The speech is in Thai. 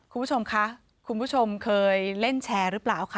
คุณผู้ชมคะคุณผู้ชมเคยเล่นแชร์หรือเปล่าคะ